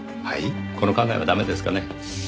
この考えはダメですかね？